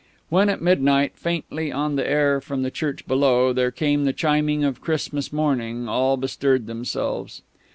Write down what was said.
When at midnight, faintly on the air from the church below, there came the chiming of Christmas morning, all bestirred themselves.